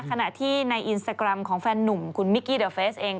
ขณะที่ในอินสตาแกรมของแฟนหนุ่มคุณมิกกี้เดอร์เฟสเอง